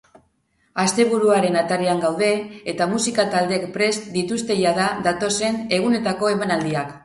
Asteburuaren atarian gaude eta musika taldeek prest dituzte jada datozen egunetako emanaldiak.